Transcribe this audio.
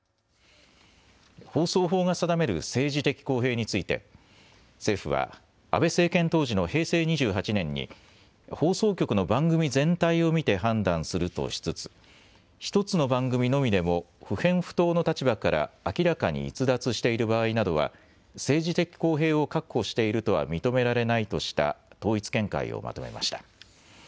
放送法が定める政治的公平について政府は安倍政権当時の平成２８年に放送局の番組全体を見て判断するとしつつ１つの番組のみでも不偏不党の立場から明らかに逸脱している場合などは政治的公平を確保しているとは認められないとした統一見解をまとめました。